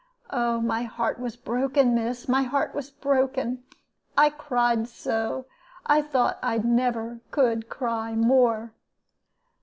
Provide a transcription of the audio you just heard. Oh, my heart was broken, miss, my heart was broken! I cried so, I thought I could never cry more.